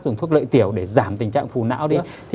dùng thuốc lợi tiểu để giảm tình trạng phù não đi